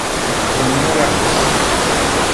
جنون رقص